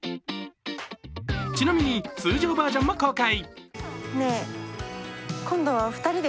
ちなみに通常バージョンも公開。